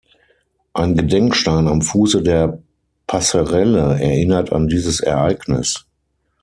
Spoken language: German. Ein Gedenkstein am Fuße der Passerelle erinnert an dieses Ereignis.